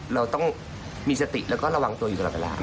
เราต้องมีสติแล้วก็ระวังตัวอยู่ตลอดเวลา